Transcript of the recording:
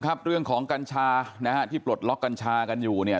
ครับเรื่องของกัญชานะฮะที่ปลดล็อกกัญชากันอยู่เนี่ย